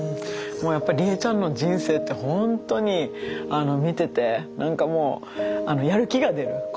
やっぱリエちゃんの人生ってほんとに見てて何かもうやる気が出る。